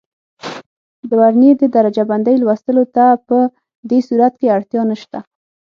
د ورنیې د درجه بندۍ لوستلو ته په دې صورت کې اړتیا نه شته.